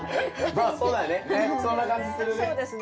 まあそうだね